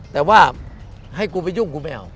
แต่ว่าให้กูไปยุ่งกูไม่เอา